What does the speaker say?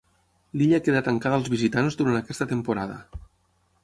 L'illa queda tancada als visitants durant aquesta temporada.